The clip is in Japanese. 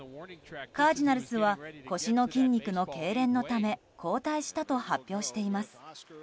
カージナルスは腰の筋肉のけいれんのため交代したと発表しています。